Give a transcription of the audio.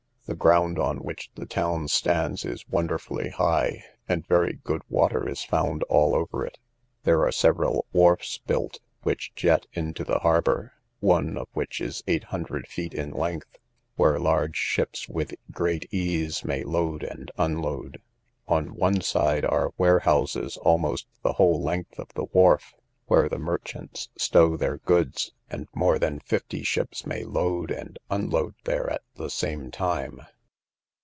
The ground on which the town stands is wonderfully high; and very good water is found all over it. There are several wharfs built, which jet into the harbour, one of which is eight hundred feet in length, where large ships with great ease may load and unload. On one side are warehouses almost the whole length of the wharf, where the merchants stow their goods; and more than fifty ships may load and unload there at the same time.